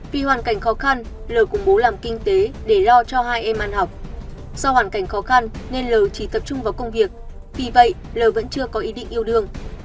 vì hoàn cảnh khó khăn lờ của bố làm kinh tế để lo cho hai em ăn học do hoàn cảnh khó khăn nên l chỉ tập trung vào công việc vì vậy l vẫn chưa có ý định yêu đương